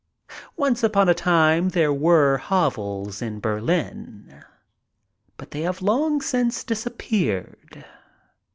Once upon a time there were hovels in Berlin, but they have long since disappeared.